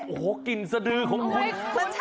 โอ้โหกลิ่นสดือของคุณ